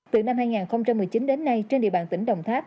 từ năm hai nghìn một mươi chín đến nay trên địa bàn tỉnh đồng tháp